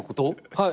はい。